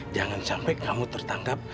jangan sampai kamu tertangkap